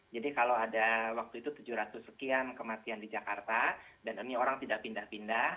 jadi kalau ada waktu itu tujuh ratus sekian kematian di jakarta dan ini orang tidak pindah pindah